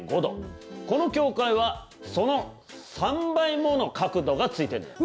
この教会はその３倍もの角度がついてんのよ。